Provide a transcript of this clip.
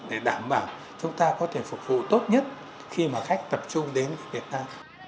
để đảm bảo chúng ta có thể phục vụ tốt nhất khi mà khách tập trung đến việt nam